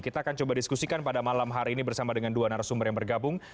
kita akan coba diskusikan pada malam hari ini bersama dengan dua narasumber yang bergabung